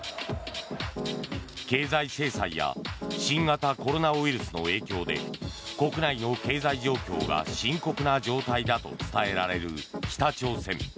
経済制裁や新型コロナウイルスの影響で国内の経済状況が深刻な状態だと伝えられる北朝鮮。